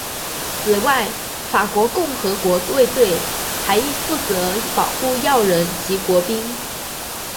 此外法国共和国卫队还负责保护要人及国宾。